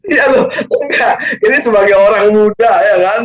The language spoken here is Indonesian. iya loh enggak ini sebagai orang muda ya kan